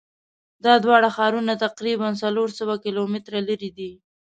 دا دواړه ښارونه تقریبآ څلور سوه کیلومتره لری دي.